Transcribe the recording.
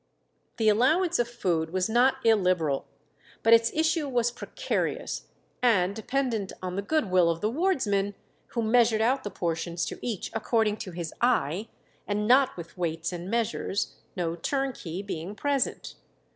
The allowance of food was not illiberal, but its issue was precarious, and dependent on the good will of the wardsmen, who measured out the portions to each according to his eye, and not with weights and measures, no turnkey being present.